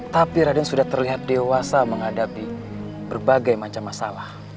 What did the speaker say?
tapi raden sudah terlihat dewasa menghadapi berbagai macam masalah